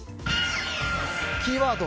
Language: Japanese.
キーワード